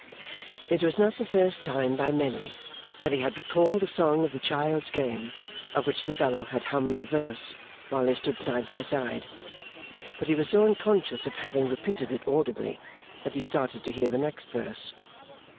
It was not the first time, by many, that he had recalled the song of the child's game, of which the fellow had hummed this verse while they stood side by side; but he was so unconscious of having repeated it audibly, that he started to hear the next verse.